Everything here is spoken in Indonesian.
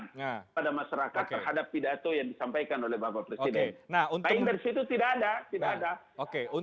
kepada masyarakat terhadap pidato yang disampaikan oleh bapak presiden